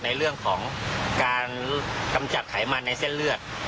ในเรื่องของการกำจัดไขมันในเส้นเลือด